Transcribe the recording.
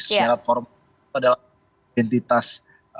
syarat formil adalah identitas